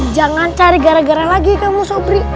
jangan cari gara gara lagi kamu sobri